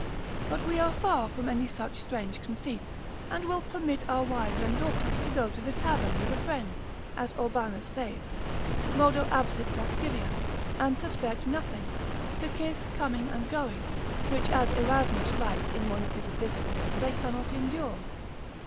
But we are far from any such strange conceits, and will permit our wives and daughters to go to the tavern with a friend, as Aubanus saith, modo absit lascivia, and suspect nothing, to kiss coming and going, which, as Erasmus writes in one of his epistles, they cannot endure.